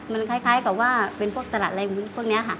มันคล้ายกับว่าเป็นพวกสลัดอะไรพวกนี้ค่ะ